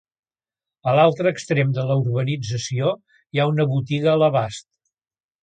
A l'altre extrem de la urbanització hi ha una botiga a l'abast.